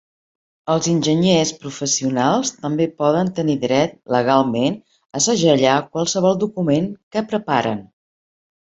Els enginyers professionals també poden tenir dret legalment a segellar qualsevol document que preparen.